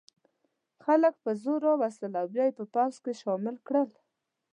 خلک په زور را وستل او بیا یې په پوځ کې شامل کړل.